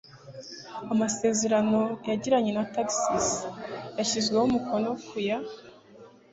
amasezerano yagiranye na texas yashyizweho umukono ku ya